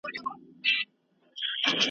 لکه د نورو نامرادو په څیر